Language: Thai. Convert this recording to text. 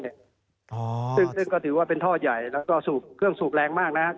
ซึ่งก็ถือว่าเป็นท่อใหญ่แล้วก็สูบเครื่องสูบแรงมากนะครับ